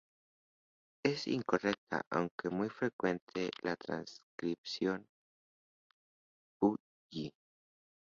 Es incorrecta, aunque muy frecuente, la transcripción "Pu Yi".